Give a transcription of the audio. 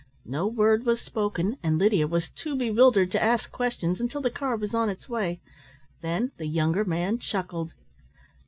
No word was spoken, and Lydia was too bewildered to ask questions until the car was on its way. Then the younger man chuckled.